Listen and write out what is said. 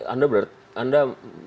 anda berarti anda